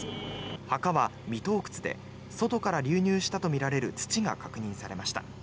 墓は未盗掘で外から流入したとみられる土が確認されました。